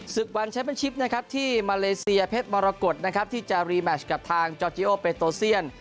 ศึกวันแชมเป็นชิปที่มาเลเซียเพชรมรกฎที่จะรีแมชกับทางจอจิโอร์เปโตเซียน